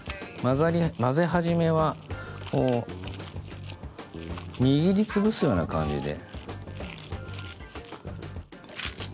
混ぜ始めはこう握りつぶすような感じで。